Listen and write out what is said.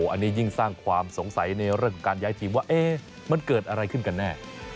อันนี้ยิ่งสร้างความสงสัยในเรื่องของการย้ายทีมว่ามันเกิดอะไรขึ้นกันแน่